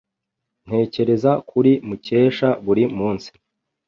Ntekereza kuri Mukesha buri munsi.